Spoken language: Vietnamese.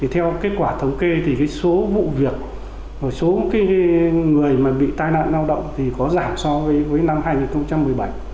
theo kết quả thống kê thì số vụ việc số người bị tai nạn lao động có giảm so với năm hai nghìn một mươi bảy